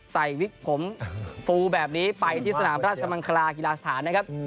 วิกผมฟูแบบนี้ไปที่สนามราชมังคลากีฬาสถานนะครับ